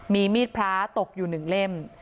มีมีดพระตกอยู่หนึ่งเล่ม